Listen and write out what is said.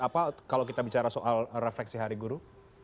apa kalau kita bicara soal refleksi hari guru